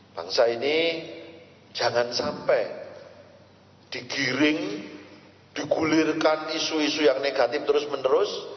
bangsa ini jangan sampai digiring digulirkan isu isu yang negatif terus menerus